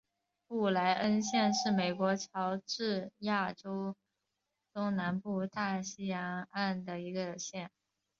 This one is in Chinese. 布赖恩县是美国乔治亚州东南部大西洋岸的一个县。